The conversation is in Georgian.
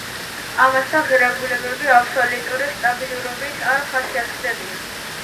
ამასთან ღირებულებები აბსოლუტური სტაბილურობით არ ხასიათდებიან.